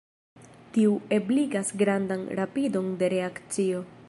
Tiu ebligas grandan rapidon de reakcio.